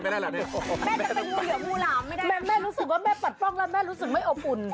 แม่รู้สึกว่าแม่ผัดฟรองแล้วแม่รู้สึกไม่อบอุ่น